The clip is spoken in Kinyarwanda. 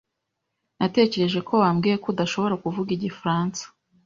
Natekereje ko wambwiye ko udashobora kuvuga igifaransa.